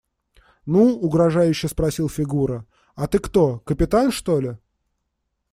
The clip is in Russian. – Ну, – угрожающе спросил Фигура, – а ты кто – капитан, что ли?